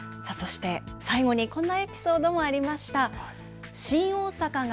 最後にこんなエピソードもありました。